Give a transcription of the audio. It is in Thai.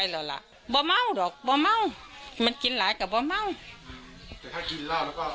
ไม่ตัวเมาว์ลรูกไม่ตัวเมาว์มันกินฉันก็ไม่ตัวเมาว่า